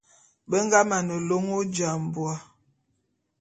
Be nga mane lôn Ojambô'a.